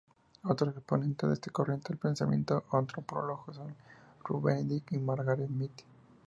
Otros exponentes de esta corriente del pensamiento antropológico son Ruth Benedict y Margaret Mead.